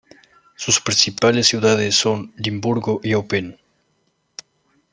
Sus principales ciudades son Limburgo y Eupen.